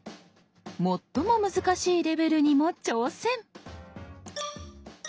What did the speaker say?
最も難しいレベルにも挑戦。